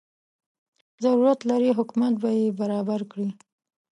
ضرورت لري حکومت به یې برابر کړي.